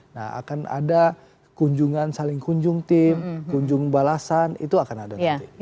nah akan ada kunjungan saling kunjung tim kunjung balasan itu akan ada nanti